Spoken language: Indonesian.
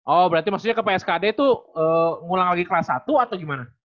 oh berarti maksudnya ke pskd itu ngulang lagi kelas satu atau gimana